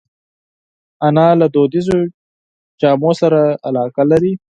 انا له دودیزو جامو سره علاقه لري